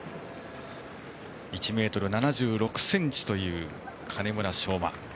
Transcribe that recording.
１ｍ７６ｃｍという金村尚真。